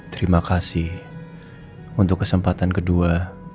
terima kasih untuk kesempatan kedua